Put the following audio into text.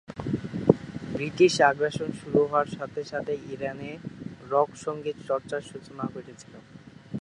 British আগ্রাসন শুরু হওয়ার সাথে সাথে ইরানে রক সঙ্গীত চর্চার সূচনা ঘটেছিল।